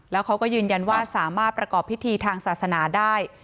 แล้วเขาก็ยืนยันว่าสามารถประกอบพิธีทางศาสนาได้